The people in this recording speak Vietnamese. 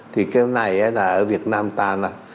thì cái này ở việt nam ta là